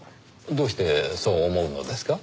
どうしてそう思うのですか？